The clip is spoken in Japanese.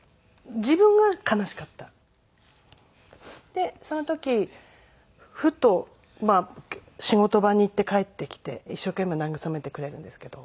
でその時ふと仕事場に行って帰ってきて一生懸命慰めてくれるんですけど。